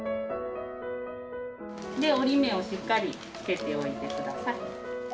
折り目をしっかりつけておいて下さい。